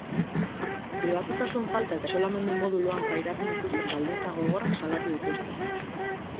Pribatutasun falta eta isolamendu moduloan pairatzen dituzten baldintza gogorrak salatu dituzte.